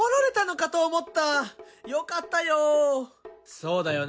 そうだよね。